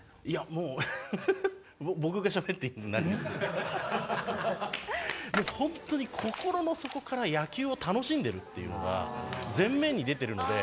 「もう本当に心の底から野球を楽しんでるっていうのが前面に出てるので。